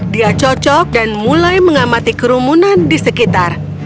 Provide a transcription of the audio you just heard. dia cocok dan mulai mengamati kerumunan di sekitar